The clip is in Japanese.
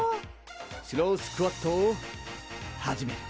スロースクワットを始める。